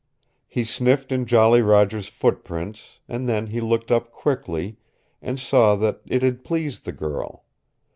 He sniffed in Jolly Roger's footprints, and then he looked up quickly, and saw that it had pleased the girl.